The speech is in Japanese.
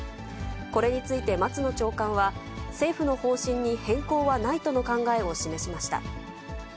これについて松野長官は、政府の方針に変更はないとの考えを示しました。